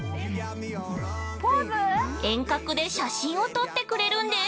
◆遠隔で写真を撮ってくれるんです。